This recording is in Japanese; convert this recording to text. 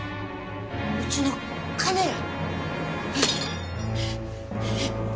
うちの金や。